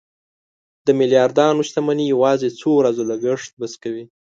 د میلیاردرانو شتمني یوازې څو ورځو لګښت بس کوي.